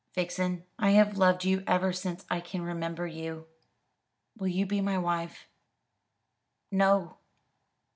"Vixen, I have loved you ever since I can remember you. Will you be my wife?" "No."